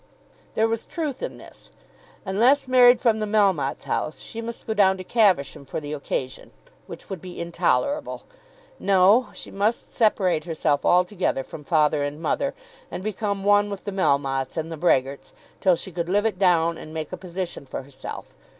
There was truth in this. Unless married from the Melmottes' house, she must go down to Caversham for the occasion, which would be intolerable. No; she must separate herself altogether from father and mother, and become one with the Melmottes and the Brehgerts, till she could live it down and make a position for herself.